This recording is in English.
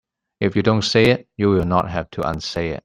If you don't say it you will not have to unsay it.